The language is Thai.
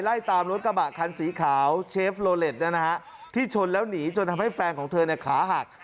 ไล่ตามรถกระบะคันสีขาวเชฟโลเล็ตที่ชนแล้วหนีจนทำให้แฟนของเธอขาหัก